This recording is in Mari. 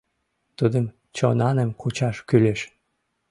Тудым чонаным кучаш кӱлеш».